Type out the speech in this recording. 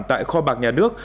tại kho bạc nhà nước